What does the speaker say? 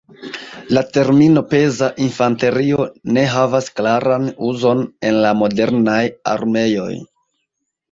La termino "peza infanterio" ne havas klaran uzon en la modernaj armeoj.